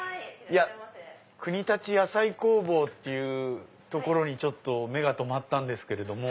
くにたち野菜工房っていうところに目が留まったんですけれども。